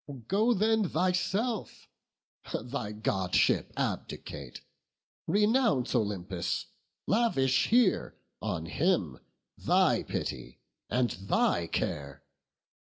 Go then thyself! thy godship abdicate! Renounce Olympus! lavish here on him Thy pity and thy care!